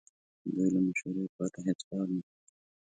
دوی له مشورې پرته هیڅ کار نه کوي.